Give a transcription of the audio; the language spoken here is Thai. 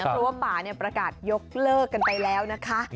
เพราะว่าป่าประกาศยกเลิกกันไปแล้วนะคะ